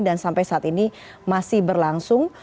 dan sampai saat ini masih berlangsung